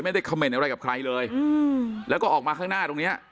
ไม่ได้คำเมนต์อะไรกับใครเลยอืมแล้วก็ออกมาข้างหน้าตรงเนี้ย